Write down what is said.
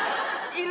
いる？